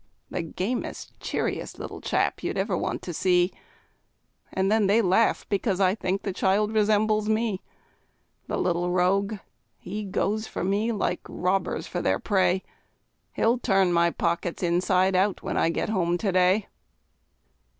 The gamest, cheeriest little chap, you'd ever want to see! And then they laugh, because I think the child resembles me. The little rogue! he goes for me, like robbers for their prey; He'll turn my pockets inside out, when I get home to day.